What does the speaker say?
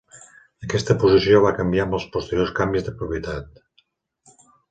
Aquesta posició va canviar amb els posteriors canvis de propietat.